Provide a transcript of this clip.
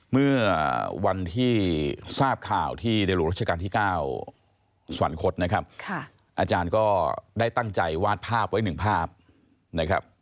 เมื่อวันที่ทราบข่าวที่ในหลุงรัฐกรรมที่๙